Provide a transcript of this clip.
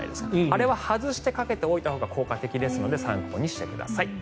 あれは外してかけておいたほうが効果的ですので参考にしてください。